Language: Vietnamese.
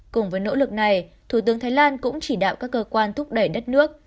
cùng với nỗ lực này thủ tướng thái lan cũng chỉ đạo các cơ quan thúc đẩy đất nước